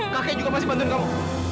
kakek juga pasti bantuin kamu